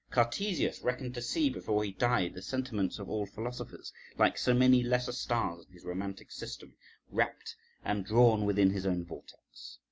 Cartesius reckoned to see before he died the sentiments of all philosophers, like so many lesser stars in his romantic system, rapt and drawn within his own vortex.